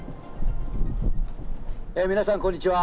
皆さん、こんにちは。